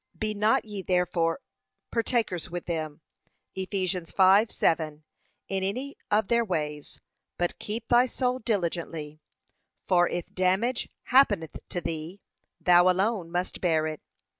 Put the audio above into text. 'Be not ye therefore partakers with them,' (Eph. 5:7), in any of their ways, but keep thy soul diligently; for if damage happeneth to thee, thou alone must bear it.